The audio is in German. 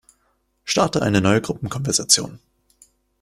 Starte eine neue Gruppenkonversation.